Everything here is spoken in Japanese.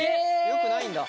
よくないんだ。